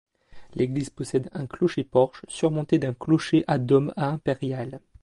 L'église possède un clocher-porche surmonté d'un clocher à dôme à impériale.